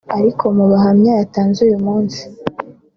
ariko mu buhamya yatanze uyu munsi